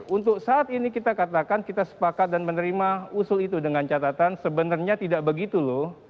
jadi saat ini kita katakan kita sepakat dan menerima usul itu dengan catatan sebenarnya tidak begitu loh